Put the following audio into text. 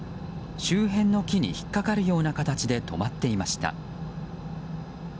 周辺の木に引っかかるような形で止まっていました。